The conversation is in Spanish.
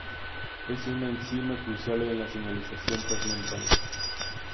Es una enzima crucial en la señalización transmembrana.